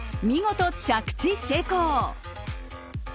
見事、着地成功。